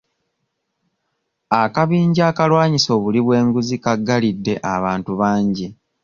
Akabinja akalwanyisa obuli bw'enguzi kaggalidde abantu bangi.